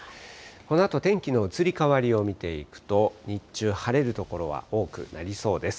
このあと、天気の移り変わりを見ていくと、日中、晴れる所は多くなりそうです。